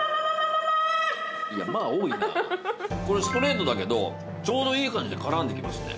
これストレートだけどちょうどいい感じで絡んできますね。